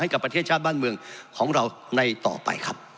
กับประเทศชาติบ้านเมืองของเราในต่อไปครับ